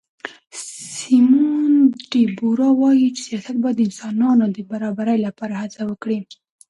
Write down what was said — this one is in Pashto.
سیمون ډي بووار وایي چې سیاست باید د انسانانو د برابرۍ لپاره هڅه وکړي.